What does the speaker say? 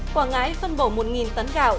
quảng ngãi phân bổ một tấn gạo